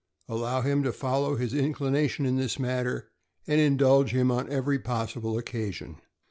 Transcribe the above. Allow him to follow his inclination in this matter, and indulge him on every possi ble occasion.